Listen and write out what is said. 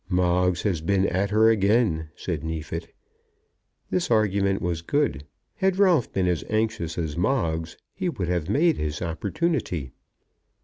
"Moggs has been at her again," said Neefit. This argument was good. Had Ralph been as anxious as Moggs, he would have made his opportunity.